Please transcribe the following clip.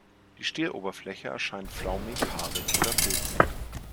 Die Stieloberfläche erscheint flaumig, haarig oder filzig.